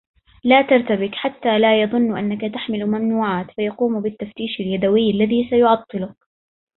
لا ترتبك، حتّى لا يظنّ أنّك تحمل ممنوعاتٍ فيقوم بالتّفتيش اليدويّ الذّي سيعطِّلك.